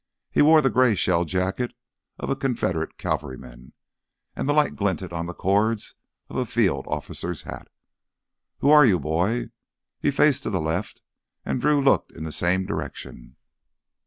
He wore the gray shell jacket of a Confederate cavalryman, and the light glinted on the cords of a field officer's hat. "Who are you, boy?" He faced to the left and Drew looked in the same direction.